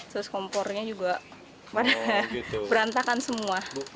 terus kompornya juga berantakan semua